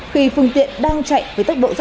khi phương tiện đang chạy với tốc độ rất